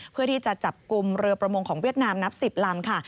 เพื่อที่จะจับกลุ่มเรือประมงของเวียดนามนับ๑๐ลำค่ะ